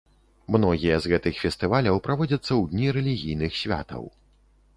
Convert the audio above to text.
Многія з гэтых фестываляў праводзяцца ў дні рэлігійных святаў.